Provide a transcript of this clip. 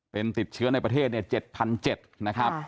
เป็นติดเชื้อในประเทศ๗๗๐๐นะครับ